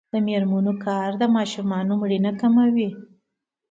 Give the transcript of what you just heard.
د میرمنو کار د ماشومانو مړینه کموي.